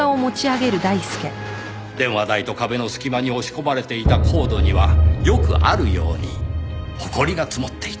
電話台と壁の隙間に押し込まれていたコードにはよくあるようにホコリが積もっていた。